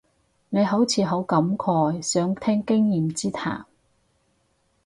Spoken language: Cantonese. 你好似好感慨，想聽經驗之談